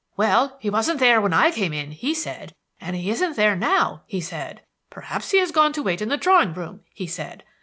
'Well, he wasn't there when I came in,' he said, 'and he isn't there now,' he said. 'Perhaps he has gone to wait in the drawing room,' he said.